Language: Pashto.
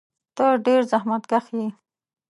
ته ډېر زحمتکښ یې.